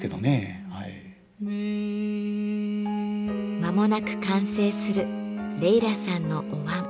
間もなく完成するレイラさんのお椀。